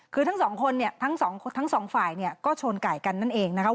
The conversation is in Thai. คือทั้งสองคนทั้งสองฝ่ายก็ชนไก่กันนั่นเองนะคะ